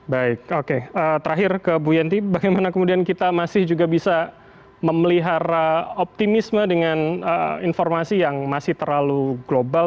baik oke terakhir ke bu yanti bagaimana kemudian kita masih juga bisa memelihara optimisme dengan informasi yang masih terlalu global